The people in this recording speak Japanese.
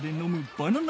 バナナ